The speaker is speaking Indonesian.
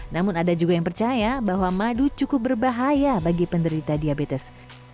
namun ada juga yang percaya bahwa madu cukup berbahaya bagi penderita diabetes